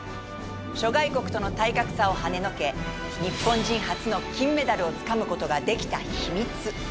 諸外国との体格差をはねのけ日本人初の金メダルをつかむ事ができた秘密。